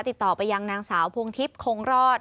ติดต่อไปยังนางสาวพวงทิพย์คงรอด